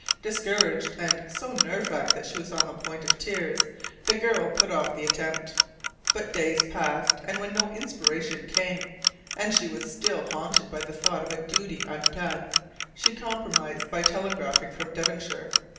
Discouraged, and so nerve racked that she was on the point of tears, the girl put off the attempt. But days passed, and when no inspiration came, and she was still haunted by the thought of a duty undone, she compromised by telegraphing from Devonshire.